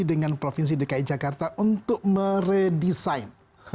dengan provinsi dki jakarta untuk meredesain